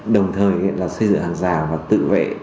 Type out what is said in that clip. đồng thời là xây dựng hàng rào và tự vệ